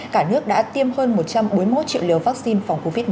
cả nước đã tiêm hơn một trăm bốn mươi một triệu liều vaccine phòng covid một mươi chín